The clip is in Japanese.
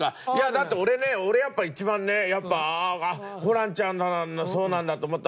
だって俺ね俺やっぱ一番ねホランちゃんそうなんだと思った。